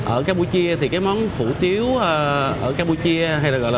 ở campuchia thì cái món hủ tiếu ở campuchia hay gọi là